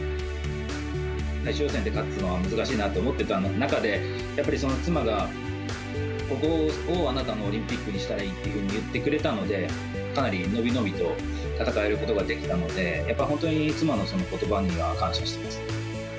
最終予選で勝つのは難しいなと思ってた中で、やっぱりその妻が、ここをあなたのオリンピックにしたらいいっていうふうに言ってくれたので、かなり伸び伸びと戦えることができたので、やっぱり本当に妻のそのことばには感謝しています。